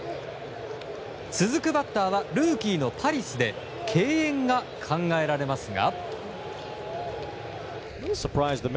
続くバッターはルーキーのパリスで敬遠が考えられますが。